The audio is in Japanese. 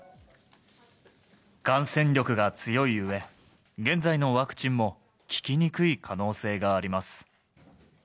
感染力が強いうえ、現在のワクチンも効きにくい可能性があります。